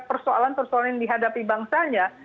persoalan persoalan yang dihadapi bangsanya